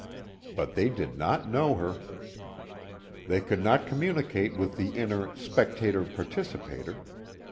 But they did not know her. They could not communicate with the inner spectator participator.